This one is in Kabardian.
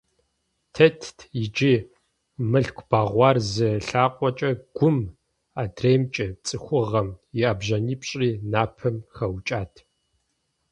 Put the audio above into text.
Тетт иджы Мылъку бэгъуар зы лъакъуэкӀэ Гум, адреймкӀэ - ЦӀыхугъэм, и ӀэбжьанипщӀри Напэм хэукӀат.